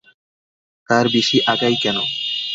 তার বেশি আগাই কেন?